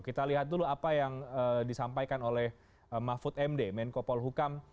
kita lihat dulu apa yang disampaikan oleh mahfud md menko polhukam